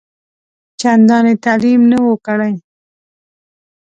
چنداني تعلیم نه وو کړی.